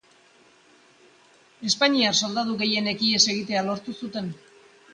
Espainiar soldadu gehienek ihes egitea lortu zuten.